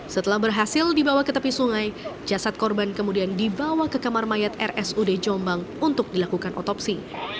setelah berhasil dibawa ke tepi sungai jasad korban kemudian dibawa ke kamar mayat rsud jombang untuk dilakukan otopsi